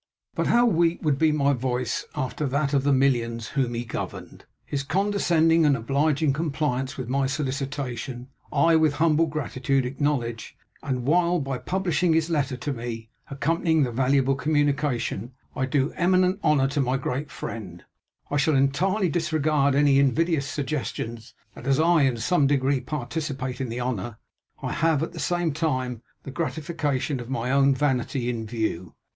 But how weak would be my voice after that of the millions whom he governed. His condescending and obliging compliance with my solicitation, I with humble gratitude acknowledge; and while by publishing his letter to me, accompanying the valuable communication, I do eminent honour to my great friend, I shall entirely disregard any invidious suggestions, that as I in some degree participate in the honour, I have, at the same time, the gratification of my own vanity in view.